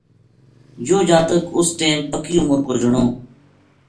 یوہ جاتک اس ٹیم پکی عمر کو جنو